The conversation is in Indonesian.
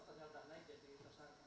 mungkin untuk ke depannya